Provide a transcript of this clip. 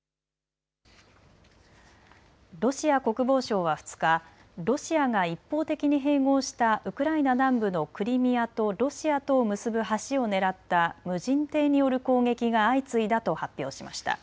ロシア国防省は２日、ロシアが一方的に併合したウクライナ南部のクリミアとロシアとを結ぶ橋を狙った無人艇による攻撃が相次いだと発表しました。